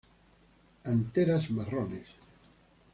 Anteras marrones.